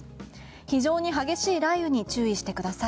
非常に激しい雷雨に注意してください。